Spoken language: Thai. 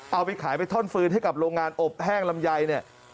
เอาไปขายเท้านฟืนเรือนกลขุมลงงานแอบแรงลำไยเนี่ย